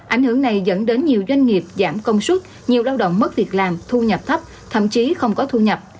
ảnh hưởng này dẫn đến nhiều doanh nghiệp giảm công suất nhiều lao động mất việc làm thu nhập thấp thậm chí không có thu nhập